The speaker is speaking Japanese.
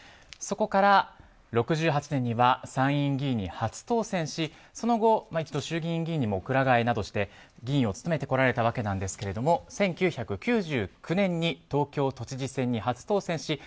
そこから６８年には参院議員に初当選しその後、一度衆議院議員にも鞍替えなどして議員を務めてこられましたが１９９９年に東京都知事選に初当選し